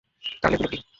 তাহলে, এগুলো কী?